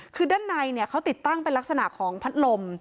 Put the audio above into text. คือด้านในเขาติดตั้งเป็นลักษณะของพัดลม